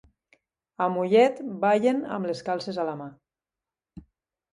A Mollet ballen amb les calces a la mà.